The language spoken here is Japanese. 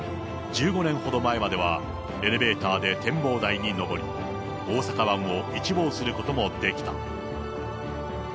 １５年ほど前までは、エレベーターで展望台に上り、大阪湾を一望することもできた。